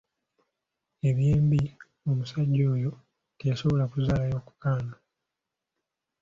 Eby'embi omusajja oyo teyasobola kuzaalayo ku kaana.